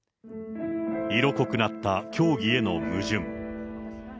色濃くなった教義への矛盾。